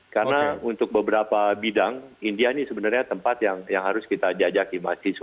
karena untuk beberapa bidang india ini sebenarnya tempat yang harus kita jajaki